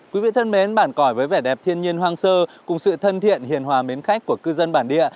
quý vị thân mến bản với vẻ đẹp thiên nhiên hoang sơ cùng sự thân thiện hiền hòa mến khách của cư dân bản địa